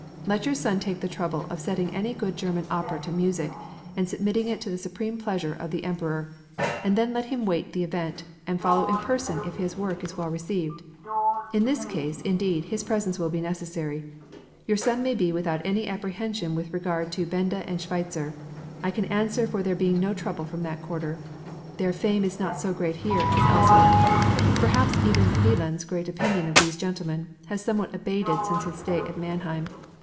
Let your son take the trouble of setting any good German opera to music and submitting it to the supreme pleasure of the Emperor, and then let him wait the event, and follow in person if his work is well received. In this case, indeed, his presence will be necessary. Your son may be without any apprehension with regard to Benda and Schweitzer; I can answer for there being no trouble from that quarter. Their fame is not so great here as elsewhere. Perhaps even Wieland's great opinion of these gentlemen has somewhat abated since his stay at Mannheim.